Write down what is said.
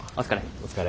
お疲れ。